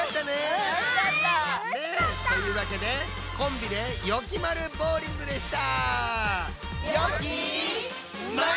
うんたのしかった！というわけで「コンビでよきまるボウリング！」でした！